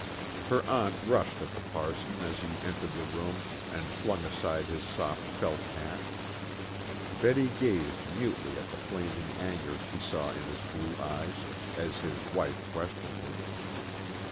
Her aunt rushed at the parson as he entered the room and flung aside his soft felt hat. Betty gazed mutely at the flaming anger she saw in his blue eyes, as his wife questioned him.